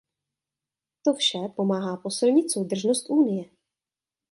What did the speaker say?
To vše pomáhá posilnit soudržnost Unie.